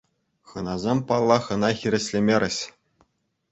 Хӑнасем, паллах, ӑна хирӗҫлемерӗҫ.